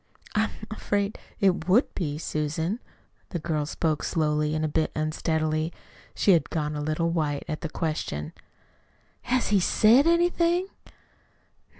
"I'm afraid it would be, Susan." The girl spoke slowly, a bit unsteadily. She had gone a little white at the question. "Has he SAID anything?"